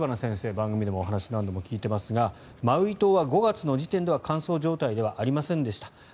番組でも何度も聞いていますがマウイ島は５月時点では乾燥状態ではありませんでした。